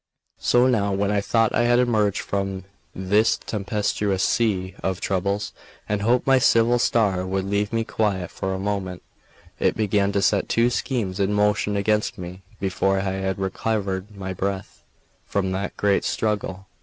So now, when I thought I had emerged from this tempestuous sea of troubles, and hoped my evil star would leave me quiet for a moment, it began to set two schemes in motion against me before I had recovered my breath from that great struggle.